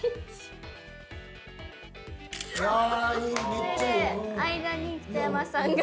これで間に北山さんが。